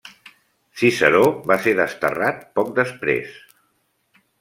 Ciceró va ser desterrat poc després.